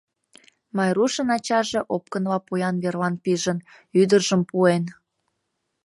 Майрушын ачаже опкынла поян верлан пижын, ӱдыржым пуэн.